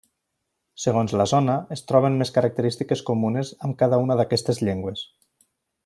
Segons la zona, es troben més característiques comunes amb cada una d'aquestes llengües.